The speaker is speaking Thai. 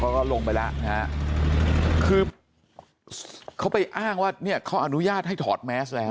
ลงไปแล้วนะฮะคือเขาไปอ้างว่าเนี่ยเขาอนุญาตให้ถอดแมสแล้ว